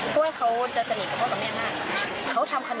แต่ว่าตอนนี้ก็มีแต่ลูกเนอะ